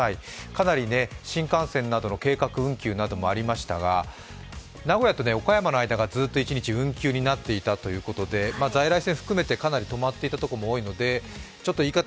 かなり新幹線などの計画運休がありましたが名古屋と岡山の間がずっと一日運休になっていたということですが在来線含めてかなり止まっていたところも多いので言い方